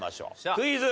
クイズ。